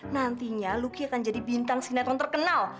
nantinya luki akan jadi bintang sinetron terkenal